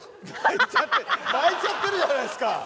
泣いちゃってるじゃないですか！